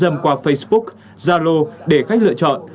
thắng sẽ gửi ảnh qua facebook zalo để khách lựa chọn